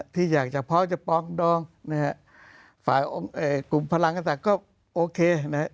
ที่อยากจะปร้องดรองกลุ่มพลังก็โอเค